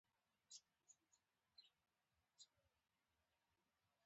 او په خره دې سپور کړي.